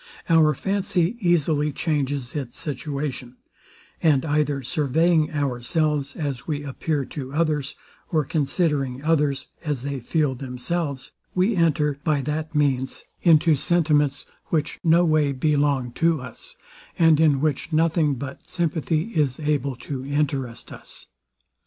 Our fancy easily changes its situation; and either surveying ourselves as we appear to others, or considering others as they feel themselves, we enter, by that means, into sentiments, which no way belong to us, and in which nothing but sympathy is able to interest us.